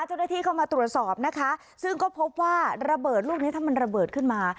เจ้าหน้าที่เข้ามาตรวจสอบนะคะซึ่งก็พบว่าระเบิดลูกนี้ถ้ามันระเบิดขึ้นมา